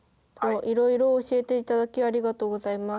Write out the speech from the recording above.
いろいろ教えていただきありがとうございます。